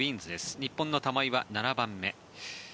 日本の玉井は７番目。